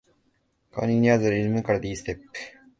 顔に似合わずリズミカルで良いステップ